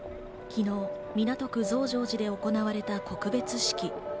昨日、港区・増上寺で行われた告別式。